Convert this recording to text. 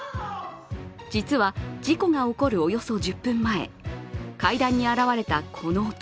実は事故が起こるおよそ１０分前階段に現れたこの男。